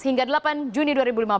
hingga delapan juni dua ribu lima belas